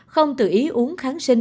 không tự ý uống kháng sinh